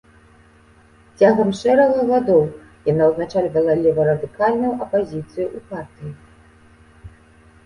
Цягам шэрага гадоў яна ўзначальвала леварадыкальную апазіцыю ў партыі.